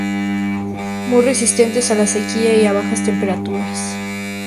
Muy resistente a la sequía y a bajas temperaturas.